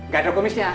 gak ada kumisnya